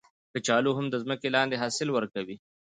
کچالو هم د ځمکې لاندې حاصل ورکوي